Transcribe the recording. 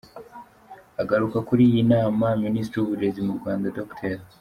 Agaruka kuri iyi nama, Minisitiri w’uburezi mu Rwanda Dr.